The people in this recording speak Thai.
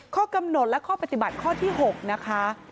ข้อกำหนดและข้อปฏิบัติข้อที่๖นะคะ